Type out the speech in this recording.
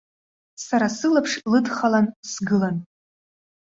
Сара сылаԥш лыдхалан сгылан.